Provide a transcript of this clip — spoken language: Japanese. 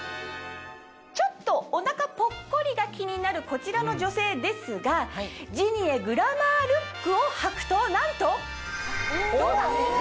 ちょっとお腹ポッコリが気になるこちらの女性ですがジニエグラマールックをはくとなんとどうだ！